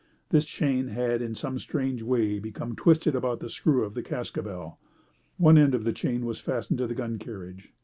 This chain had in some strange way become twisted about the screw of the cascabel. One end of the chain was fastened to the gun carriage.